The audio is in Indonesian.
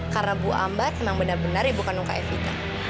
karena bu amber memang benar benar ibu kandung kak evita